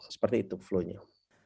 seperti itu flow nya